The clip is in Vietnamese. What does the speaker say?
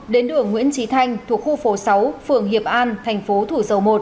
đến đường nguyễn trí thanh thuộc khu phố sáu phường hiệp an thành phố thủ dầu một